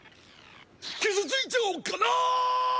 傷ついちゃおっかな！